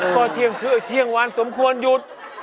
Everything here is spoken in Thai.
ก็เที่ยงคือเที่ยงวานสมควรหยุด